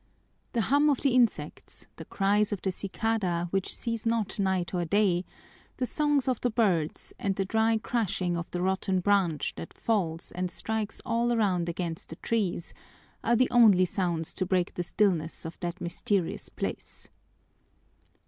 The hum of the insects, the cries of the cicada, which cease not night or day, the songs of the birds, and the dry crashing of the rotten branch that falls and strikes all around against the trees, are the only sounds to break the stillness of that mysterious place.